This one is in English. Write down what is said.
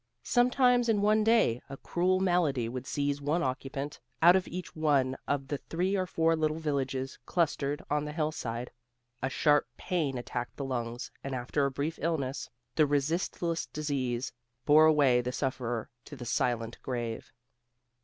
Sometimes in one day, a cruel malady would seize one occupant out of each one of the three or four little villages clustered on the hillside. A sharp pain attacked the lungs, and after a brief illness the resistless disease bore away the sufferer to the silent grave.